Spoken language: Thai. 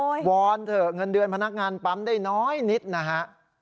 วอนเถอะเงินเดือนพนักงานปั๊มได้น้อยนิดนะฮะ